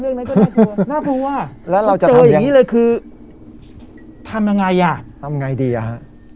เรื่องนั้นก็น่ากลัวน่ากลัวแล้วเราจะเจออย่างนี้เลยคือทำยังไงอ่ะทำไงดีอ่ะฮะ